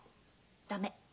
駄目。